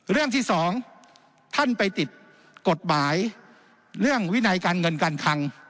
เรื่องที่สองท่านไปติดกฎหมายเรื่องวินัยการเงินการคัง